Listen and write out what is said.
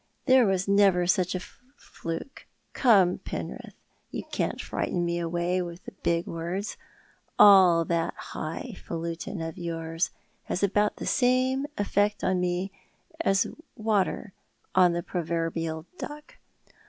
There was never such a fluke. Come, Penrith, you can't frighten me away with big words. All that high falutin of yours has about the same effect upon rae as water on the iiroverbial duck.